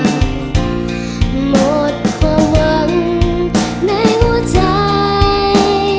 หมดความหวังในหัวใจ